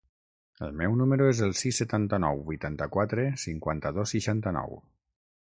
El meu número es el sis, setanta-nou, vuitanta-quatre, cinquanta-dos, seixanta-nou.